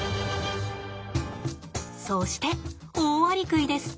そしてオオアリクイです。